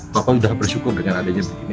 papa udah bersyukur dengan adanya begini